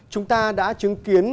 chúng ta đã chứng kiến